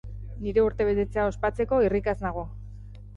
Nire urtebetetzea ospatzeko irrikaz nago!